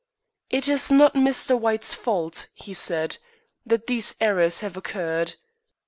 "It is not Mr. White's fault," he said, "that these errors have occurred.